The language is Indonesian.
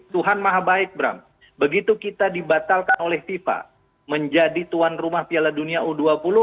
tuhan maha baik bram begitu kita dibatalkan oleh fifa menjadi tuan rumah piala dunia u dua puluh